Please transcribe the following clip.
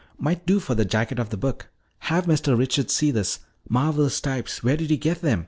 "Might do for the jacket of the book. Have Mr. Richards see this. Marvelous types, where did you get them?"